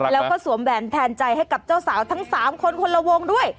แล้วก็สวมแหวนแทนใจให้กับเจ้าสาวทั้ง๓คนคนละวงด้วย